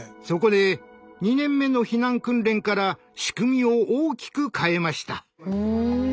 そこで２年目の避難訓練から仕組みを大きく変えました。